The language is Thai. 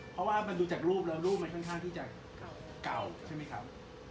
เพราะว่ามันดูจากรูปแล้วรูปมันค่อนข้างที่จะเก่าใช่ไหมครับ